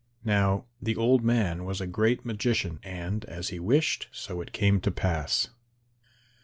Now the old man was a great magician, and as he wished, so it came to pass.